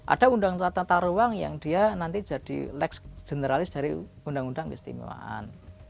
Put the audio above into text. ada undang tata ruang yang dia nanti jadi lex generalis dari undang undang keistimewaan